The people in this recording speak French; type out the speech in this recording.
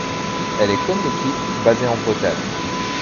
Elle est, comme l'équipe, basée en Bretagne.